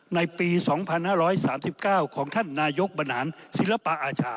ในปีสองพันห้าร้อยสามสิบเก้าของท่านนายกบนหารศิลปอาชา